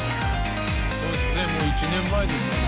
そうですよね１年前ですもんね。